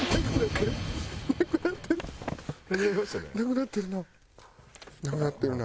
なくなってるな。